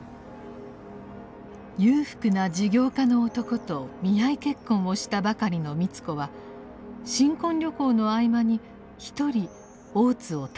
裕福な事業家の男と見合い結婚をしたばかりの美津子は新婚旅行の合間に一人大津を訪ねてゆきます。